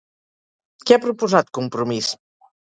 Què ha proposat Compromís?